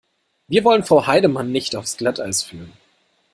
Wir wollen Frau Heidemann nicht aufs Glatteis führen.